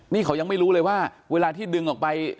นี่เขายังไม่รู้เลยว่าเวลาที่ดึงออกไป